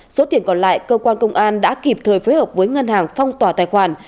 số tiền còn lại cơ quan công an đã kịp thời phối hợp với ngân hàng phong tỏa tài khoản